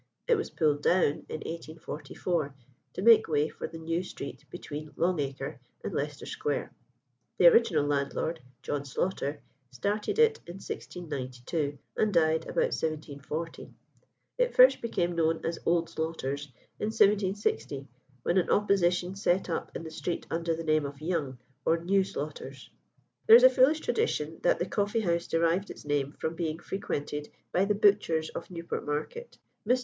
It was pulled down in 1844 to make way for the new street between Long Acre and Leicester Square. The original landlord, John Slaughter, started it in 1692, and died about 1740. It first became known as "Old Slaughter's" in 1760, when an opposition set up in the street under the name of "Young" or "New Slaughter's." There is a foolish tradition that the coffee house derived its name from being frequented by the butchers of Newport Market. Mr.